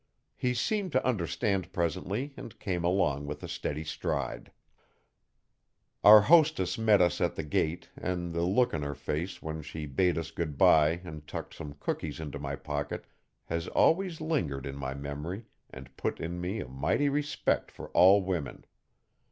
He seemed to understand presently and came along with a steady stride. Our hostess met us at the gate and the look of her face when she bade us goodbye and tucked some cookies into my pocket, has always lingered in my memory and put in me a mighty respect for all women.